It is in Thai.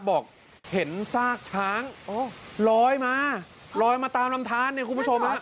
บอกเห็นซากช้างลอยมาลอยมาตามลำทานเนี่ยคุณผู้ชมฮะ